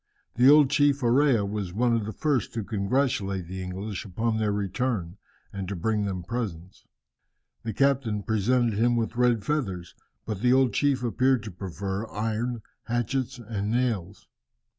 The old chief Orea was one of the first to congratulate the English upon their return, and to bring them presents. The captain presented him with red feathers, but the old chief appeared to prefer iron, hatchets, and nails.